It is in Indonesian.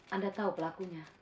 anda tahu pelakunya